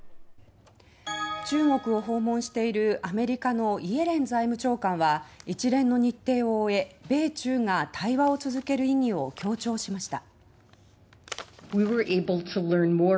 中国を訪問しているアメリカのイエレン財務長官は一連の日程を終え米中が対話を続ける意義を強調しました。